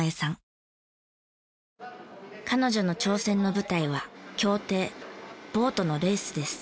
彼女の挑戦の舞台は競艇ボートのレースです。